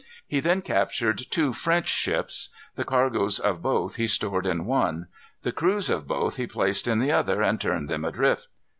He then captured two French ships. The cargoes of both he stored in one. The crews of both he placed in the other, and turned them adrift.